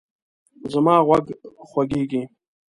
زما غوږ خوږیږي